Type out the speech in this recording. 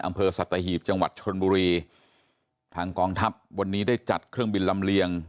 อำเภอสัตหีบจังหวัดชนบุรีทางกองทัพวันนี้ได้จัดเครื่องบินลำเลียง